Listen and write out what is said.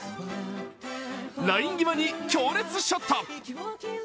ライン際に強烈ショット。